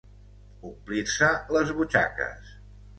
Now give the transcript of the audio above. Omplir-se les butxaques.